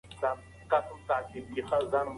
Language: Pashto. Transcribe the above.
ایا تاسي خپل پټنوم چا ته ورکړی دی؟